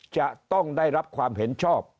จะต้องได้รับความเห็นชอบ